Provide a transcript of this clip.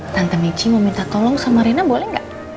tante michi mau minta tolong sama rena boleh gak